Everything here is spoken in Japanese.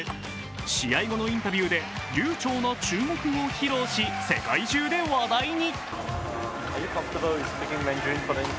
試合後のインタビューで流暢な中国語を披露し、世界中で話題に。